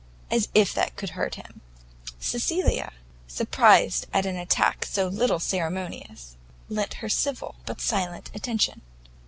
as if that could hurt him." Cecilia, surprised at an attack so little ceremonious, lent her a civil, but silent attention.